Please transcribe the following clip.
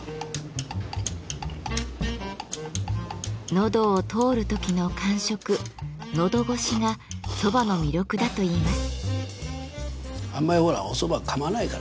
のどを通る時の感触「のどごし」が蕎麦の魅力だといいます。